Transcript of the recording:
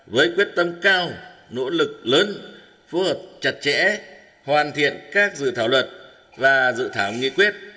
với quyết tâm cao nỗ lực lớn phù hợp chặt chẽ hoàn thiện các dự thảo luật và dự thảo nghị quyết